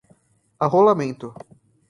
arrolamento